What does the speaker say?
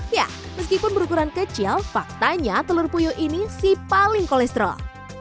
ya meskipun berukuran kecil faktanya telur puyuh ini si paling kolesterol